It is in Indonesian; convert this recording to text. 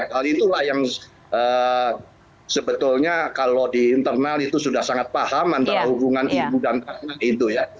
hal itulah yang sebetulnya kalau di internal itu sudah sangat paham antara hubungan ibu dan anak itu ya